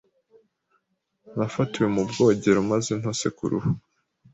Nafatiwe mu bwogero maze ntose ku ruhu.